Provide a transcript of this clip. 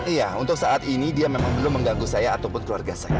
iya untuk saat ini dia memang belum mengganggu saya ataupun keluarga saya